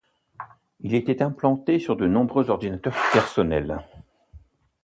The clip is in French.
Il était implanté sur de nombreux ordinateurs personnels.